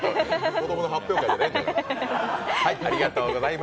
子供の発表会じゃないんだから。